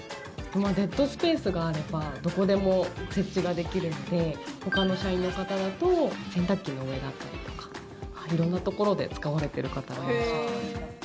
デッドスペースがあればどこでも設置ができるのでほかの社員の方だと洗濯機の上だったりとか色んなところで使われてる方がいらっしゃいます。